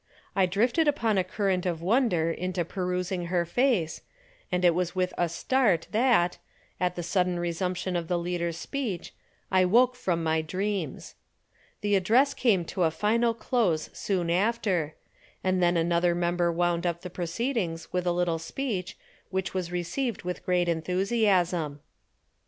I drifted upon a current of wonder into perusing her face, and it was with a start that, at the sudden resumption of the leader's speech, I woke from my dreams. The address came to a final close soon after, and then another member wound up the proceedings with a little speech, which was received with great enthusiasm.